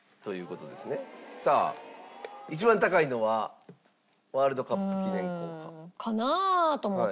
さあ一番高いのはワールドカップ記念硬貨？かなと思って。